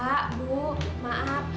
pak bu maaf